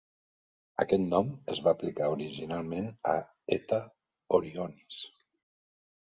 Aquest nom es va aplicar originalment a Eta Orionis.